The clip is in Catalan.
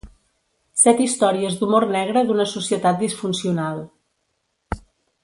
Set històries d’humor negre d’una societat disfuncional.